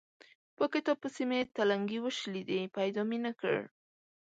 په کتاب پسې مې تلنګې وشلېدې؛ پيدا مې نه کړ.